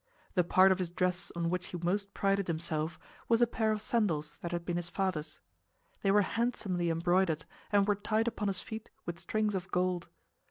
The part of his dress on which he most prided himself was a pair of sandals that had been his father's. They were handsomely embroidered and were tied upon his feet with strings of gold.